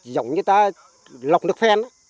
giống như ta lọc nước phen